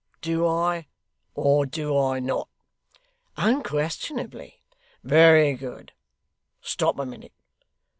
Do I, or do I not?' 'Unquestionably.' 'Very good. Stop a minute.